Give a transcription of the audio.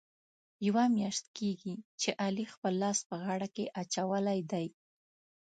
یوه میاشت کېږي، چې علي خپل لاس په غاړه کې اچولی دی.